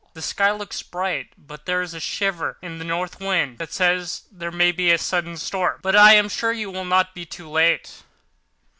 The sky looks bright but there is a shiver in the north wind that says there may be a sudden storm. But I am sure you will not be late."